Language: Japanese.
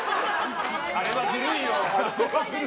あれはずるいよ。